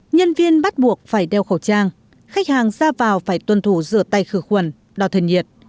nhân viên bắt buộc phải đeo khẩu trang khách hàng ra vào phải tuân thủ rửa tay khử khuẩn đo thân nhiệt